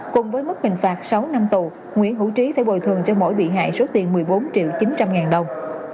cùng với mức hình phạt sáu năm tù nguyễn hữu trí phải bồi thường cho mỗi bị hại số tiền một mươi bốn triệu chín trăm linh ngàn đồng